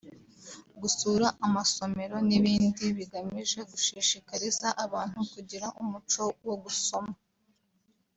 gusura amasomero n’ibindi bigamije gushishikariza abantu kugira umuco wo gusoma